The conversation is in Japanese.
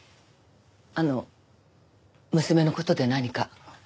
あの娘の事で何か？